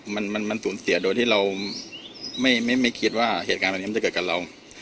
มันมันสูญเสียโดยที่เราไม่คิดว่าเหตุการณ์แบบนี้มันจะเกิดกับเรา